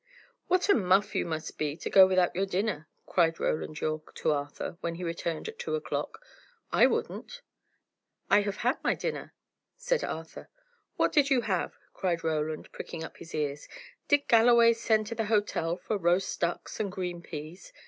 "What a muff you must be to go without your dinner!" cried Roland Yorke to Arthur, when he returned at two o'clock. "I wouldn't." "I have had my dinner," said Arthur. "What did you have?" cried Roland, pricking up his ears. "Did Galloway send to the hotel for roast ducks and green peas?